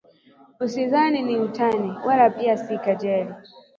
Usidhani ni utani, wala pia si kejeli